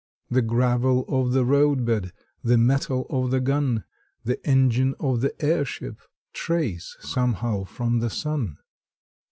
The gravel of the roadbed, The metal of the gun, The engine of the airship Trace somehow from the sun.